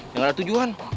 yang gak ada tujuan